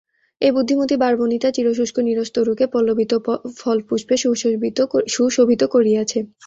এই বুদ্ধিমতী বারবনিতা চিরশুষ্ক নীরস তরুকে পল্লবিত ও ফল পুষ্পে সুশোভিত করিয়াছে।